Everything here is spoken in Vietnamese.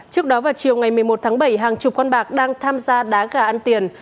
trước đó vào chiều ngày một mươi một tháng bảy hàng chục con bạc đang tham gia đá gà ăn tiền